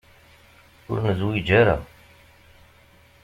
Ur nezwiǧ ara.